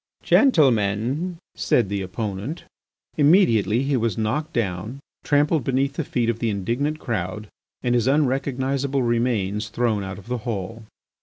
"Gentlemen," said the opponent. ... Immediately he was knocked down, trampled beneath the feet of the indignant crowd, and his unrecognisable remains thrown out of the hall.